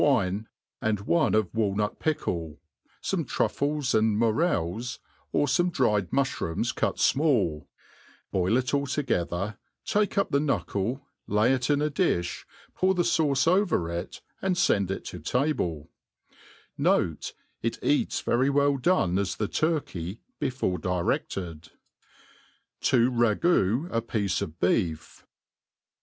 33 >9irine, and one of walnut pickk, (ome truffles and moreh, or fhme dried muihroonns tut fcnaH ; boil it all together, take up the knuckle^ laj it in a di(b, pour the fauce over it, and fend if to table* Notr> it eats very well done a$ the turkey, before dire£ted» 2V ragoo a Piece of Btef.